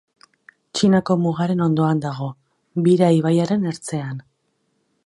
Txinako mugaren ondoan dago, Bira ibaiaren ertzean.